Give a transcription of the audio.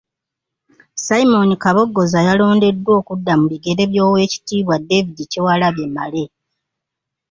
Simon Kabogoza yalondeddwa okudda mu bigere by’Oweekitiibwa David Kyewalabye Male.